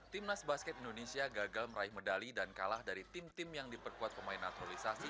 timnas basket indonesia gagal meraih medali dan kalah dari tim tim yang diperkuat pemain naturalisasi